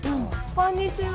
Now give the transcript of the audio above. こんにちは。